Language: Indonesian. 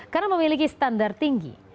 karena memiliki standar tinggi